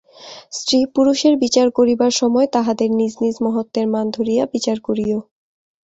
স্ত্রী-পুরুষের বিচার করিবার সময় তাহাদের নিজ নিজ মহত্ত্বের মান ধরিয়া বিচার করিও।